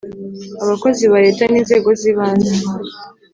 abakozi ba Leta n inzego zibanze